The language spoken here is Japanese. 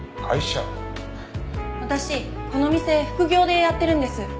私この店副業でやってるんです。